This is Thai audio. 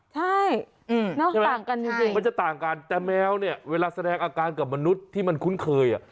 ใช่ต่างกันจริงมันจะต่างกันแต่แมวเนี่ยเวลาแสดงอาการกับมนุษย์ที่มันคุ้นเคยอ่ะ